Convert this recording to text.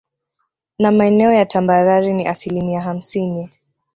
Na maeneo ya tambarare ni asilimia hamsini